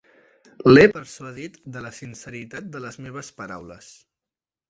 L'he persuadit de la sinceritat de les meves paraules.